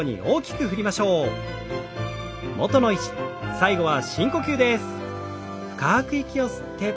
最後は深呼吸です。